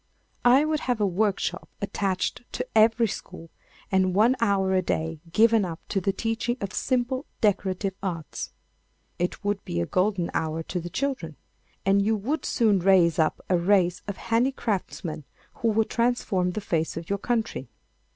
I would have a workshop attached to every school, and one hour a day given up to the teaching of simple decorative arts. It would be a golden hour to the children. And you would soon raise up a race of handicraftsmen who would transform the face of your country.